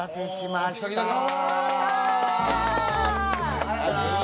ありがとうございます。